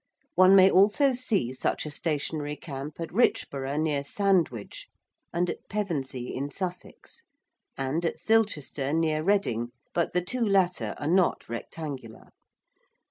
One may also see such a stationary camp at Richborough, near Sandwich; and at Pevensey, in Sussex; and at Silchester, near Reading, but the two latter are not rectangular.